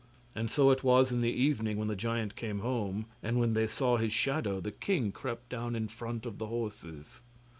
And so it was in the evening when the giant came home; and when they saw his shadow, the king crept down in front of the horses.